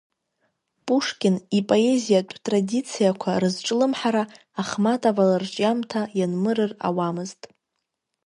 Пушкин ипоезиатә традициақәа рызҿлымҳара Ахматова лырҿиамҭа ианмырыр ауамызт.